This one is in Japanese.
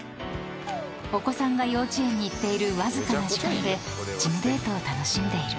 ［お子さんが幼稚園に行っているわずかな時間でジムデートを楽しんでいる］